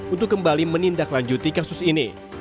untuk kembali menindaklanjuti kasus ini